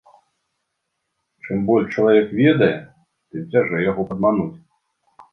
Чым больш чалавек ведае, тым цяжэй яго падмануць.